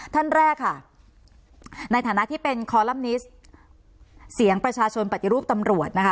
ท่านแรกค่ะในฐานะที่เป็นคอลัมนิสต์เสียงประชาชนปฏิรูปตำรวจนะคะ